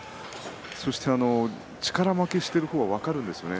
そして力負けしている方は分かるんですよね。